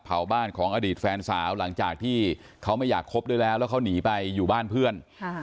เผาบ้านของอดีตแฟนสาวหลังจากที่เขาไม่อยากคบด้วยแล้วแล้วเขาหนีไปอยู่บ้านเพื่อน